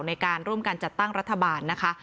ในการร่วมกันจัดตั้งรัฐบาลนะคะ